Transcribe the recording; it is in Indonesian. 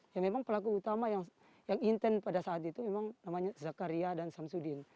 ya memang pelaku utama yang intent pada saat itu memang namanya zakaria dan samsudin